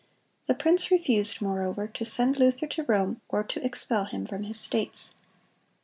The prince refused, moreover, to send Luther to Rome, or to expel him from his states."